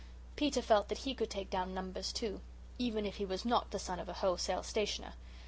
Peter felt that he could take down numbers, too, even if he was not the son of a wholesale stationer.